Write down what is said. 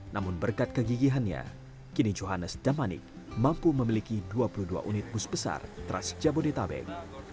namun berkat kegigihannya kini johannes damanik mampu memiliki dua puluh dua unit bus besar trans jabodetabek